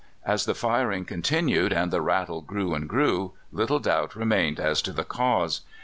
As the firing continued and the rattle grew and grew, little doubt remained as to the cause.